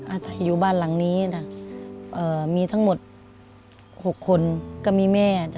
อาศัยอยู่บ้านหลังนี้นะมีทั้งหมด๖คนก็มีแม่